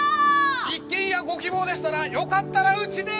一軒家ご希望でしたらよかったらうちで！